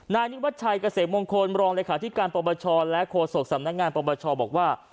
นายนิวัชชัยเกษมงคลรองรายคาธิการประบาชชและโฆษกสำนักงานประบาชชบอกว่า